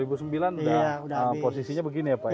dua ribu sembilan udah posisinya begini ya pak ya